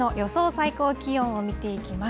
最高気温を見ていきます。